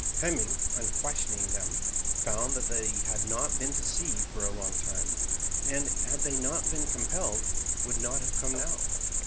Hemming, on questioning them, found that they had not been to sea for a long time, and, had they not been compelled, would not have come now.